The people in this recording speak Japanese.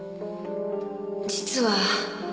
実は。